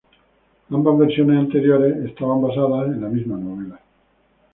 Ambas versiones anteriores estaban basadas en la misma novela.